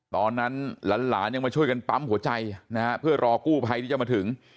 ตอนนั้นหลานยังมาช่วยกันปั๊มหัวใจนะฮะเพื่อรอกู้ภัยที่จะมาถึง